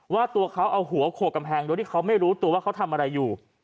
ว่าตัวเขาเอาหัวโขกกำแพงโดยที่เขาไม่รู้ตัวว่าเขาทำอะไรอยู่